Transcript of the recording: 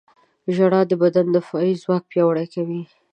• ژړا د بدن دفاعي ځواک پیاوړی کوي.